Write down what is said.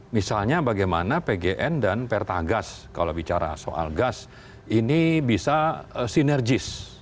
misalnya bagaimana pgn dan pertagas kalau bicara soal gas ini bisa sinergis